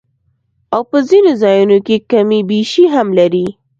او پۀ ځنې ځايونو کښې کمی بېشی هم لري